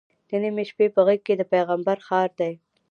د نیمې شپې په غېږ کې د پیغمبر ښار دی.